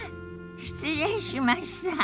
失礼しました。